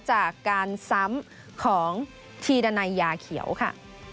จากการซ้ำของทีดันัยยาเขียวค่ะ